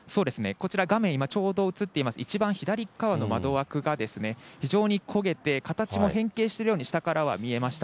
こちら、画面、今ちょうど映っています一番左側の窓枠が非常に焦げて、形も変形しているように、下からは見えました。